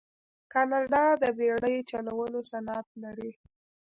کاناډا د بیړۍ چلولو صنعت لري.